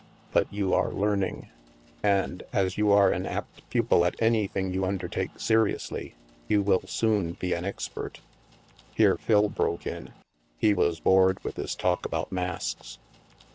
But you are learning. And, as you are an apt pupil at any thing you undertake seriously, you will soon be an expert." Here Phil broke in. He was bored with this talk about masks.